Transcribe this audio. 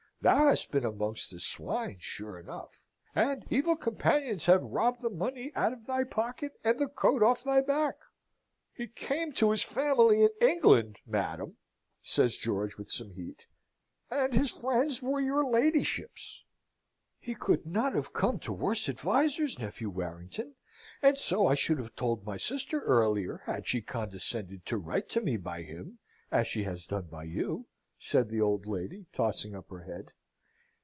Thou hast been amongst the swine sure enough. And evil companions have robbed the money out of thy pocket and the coat off thy back. "He came to his family in England, madam," says George, with some heat, "and his friends were your ladyship's." "He could not have come to worse advisers, nephew Warrington, and so I should have told my sister earlier, had she condescended to write to me by him, as she has done by you," said the old lady, tossing up her head.